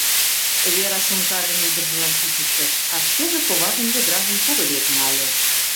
Вера сумкажым ӱдыржылан кучыктыш, а шкеже коважын ведражым когынек нале.